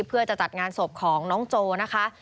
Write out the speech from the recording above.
เพื่อจะจัดงานศพของน้องโจนะคะ